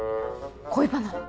恋バナは？